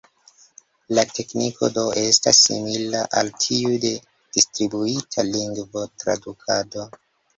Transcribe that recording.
La tekniko do estas simila al tiu de Distribuita Lingvo-Tradukado.